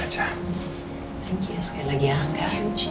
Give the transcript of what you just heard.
thank you sekali lagi ya angga